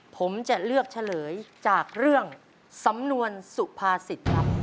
ผมจะเลือกเฉลยจากเรื่องสำนวนสุภาษิตครับ